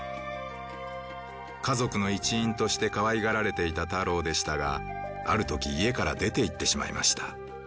家族の一員としてかわいがられていたタロウでしたがある時家から出て行ってしまいました。